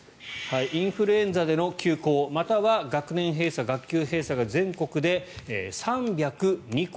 インフルエンザでの休校または学年閉鎖・学級閉鎖が全国で３０２校。